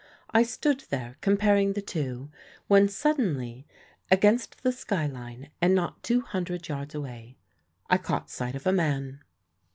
I stood there, comparing the two, when suddenly against the skyline, and not two hundred yards away, I caught sight of a man.